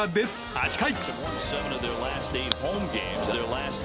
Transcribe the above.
８回。